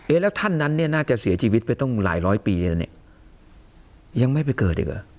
แล้วท่านนั้นเนี่ยน่าจะเสียชีวิตไปต้องหลายร้อยปีแล้วเนี่ยยังไม่ไปเกิดอีกเหรอ